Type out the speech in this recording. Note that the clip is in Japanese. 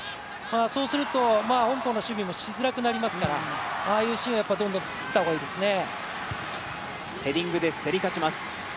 そうすると香港の守備もしづらくなりますからああいうシーンをどんどん作った方がいいですね。